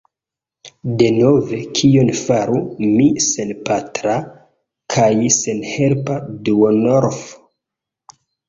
Denove kion faru mi, senpatra kaj senhelpa duonorfo?